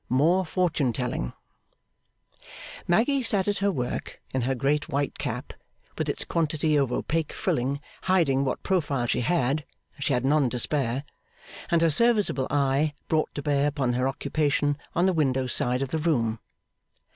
More Fortune Telling Maggy sat at her work in her great white cap with its quantity of opaque frilling hiding what profile she had (she had none to spare), and her serviceable eye brought to bear upon her occupation, on the window side of the room.